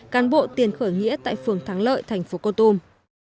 cán bộ tiền khởi nghĩa tại phường thắng lợi thành phố cô tùm